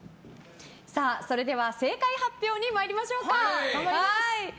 それでは正解発表に参りましょうか。